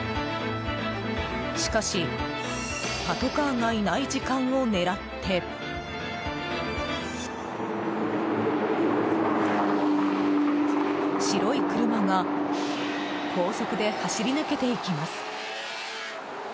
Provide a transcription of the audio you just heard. しかしパトカーがいない時間を狙って白い車が高速で走り抜けていきます。